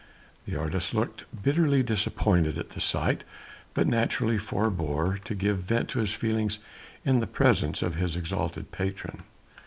The artist looked bitterly disappointed at the sight, but naturally forbore to give vent to his feelings in the presence of his exalted patron.